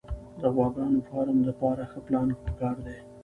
د غواګانو فارم دپاره ښه پلان پکار دی